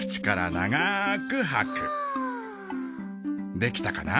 できたかな？